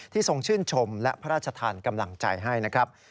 ทรงชื่นชมและพระราชทานกำลังใจให้นะครับ